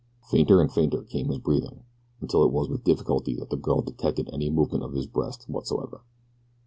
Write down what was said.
Fainter and fainter came his breathing, until it was with difficulty that the girl detected any movement of his breast whatever.